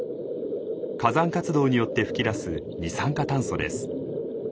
火山活動によって噴き出す二酸化炭素です。